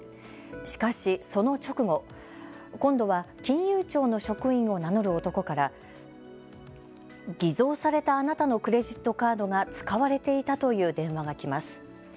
しかしその直後、今度は金融庁の職員を名乗る男から偽造されたあなたのクレジットカードが使われていたという電話が来ます。